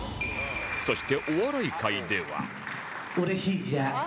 そしてお笑い界では